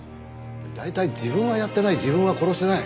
大体「自分はやってない」「自分は殺してない」